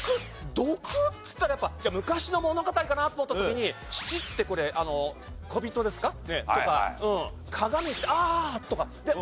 毒っつったらやっぱ昔の物語かなと思った時に七ってこれこびとですか？とか鏡ああ！とか。